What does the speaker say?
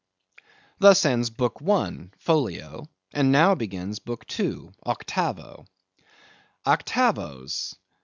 Thus ends BOOK I. (Folio), and now begins BOOK II. (Octavo). OCTAVOES.